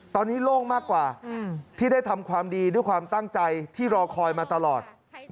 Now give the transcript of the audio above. ตอนนี้โล่งมากกว่าที่ได้ทำความดีด้วยความตั้งใจที่รอคอยมาตลอด